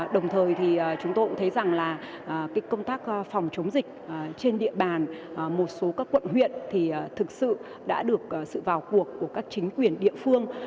đồng thời thì chúng tôi cũng thấy rằng là công tác phòng chống dịch trên địa bàn một số các quận huyện thì thực sự đã được sự vào cuộc của các chính quyền địa phương